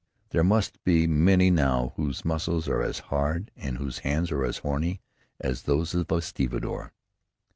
There must be many now whose muscles are as hard and whose hands as horny as those of a stevedore.